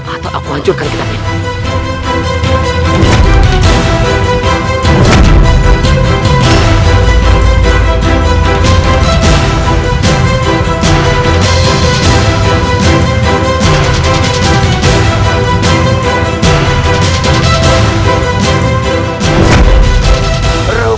atau aku hancurkan kitab itu